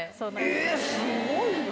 えーすごいな。